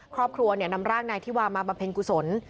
ครอบครัวนำร่างนายธิวามาบำเพ็ญกุศล